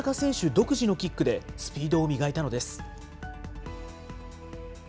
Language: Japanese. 独自のキックで、スピードを磨いたのです。